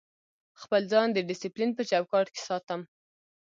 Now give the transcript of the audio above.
خپل ځان د ډیسپلین په چوکاټ کې ساتم.